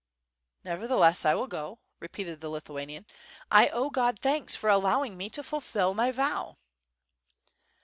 "Nevertheless, I will go," repeated the Lithuanian. "I owe God thanks for allowing me to fulfill my vow."